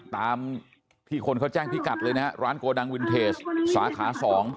ตามที่คนเขาแจ้งพิกัดเลยนะฮะร้านโกดังวินเทจสาขา๒